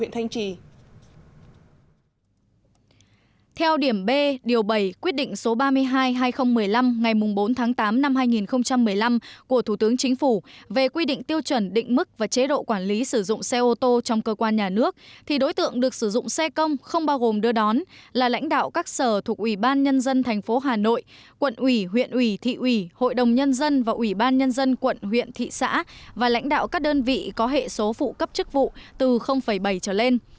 theo điểm b điều bảy quyết định số ba mươi hai hai nghìn một mươi năm ngày bốn tám hai nghìn một mươi năm của thủ tướng chính phủ về quy định tiêu chuẩn định mức và chế độ quản lý sử dụng xe ô tô trong cơ quan nhà nước thì đối tượng được sử dụng xe công không bao gồm đưa đón là lãnh đạo các sở thuộc ủy ban nhân dân tp hà nội quận ủy huyện ủy thị ủy hội đồng nhân dân và ủy ban nhân dân quận huyện thị xã và lãnh đạo các đơn vị có hệ số phụ cấp chức vụ từ bảy trở lên